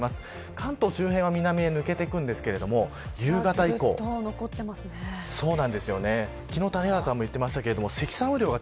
関東周辺は南に抜けていきますが夕方以降、昨日谷原さんも言っていましたが積算